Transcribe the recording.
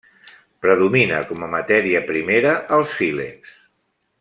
Predomina com a matèria primera el sílex.